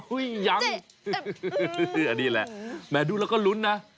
ยังอันนี้แหละแหมดูแล้วก็ลุ้นนะ